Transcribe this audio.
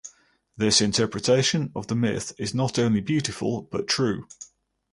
This interpretation of the myth is not only beautiful but true.